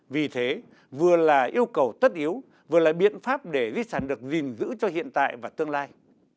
vì thế vừa là yêu cầu tất yếu vừa là biện pháp để di sản được gìn giữ cho hiện tại và tương lai